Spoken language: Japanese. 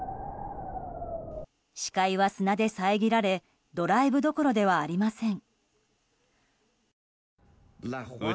視界は砂で遮られドライブどころではありません。